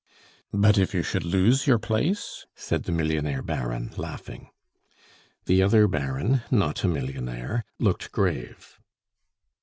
"But if you should lose your place?" said the millionaire Baron, laughing. The other Baron not a millionaire looked grave.